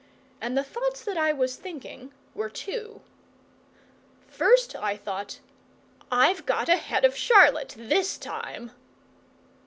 And the thoughts that I was thinking were two. First I thought, "I've got ahead of Charlotte THIS time!"